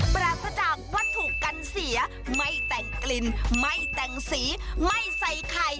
ปราศจากวัตถุกันเสียไม่แต่งกลิ่นไม่แต่งสีไม่ใส่ไข่